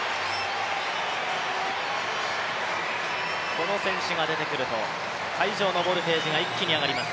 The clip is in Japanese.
この選手が出てくると会場のボルテージが一気に上がります。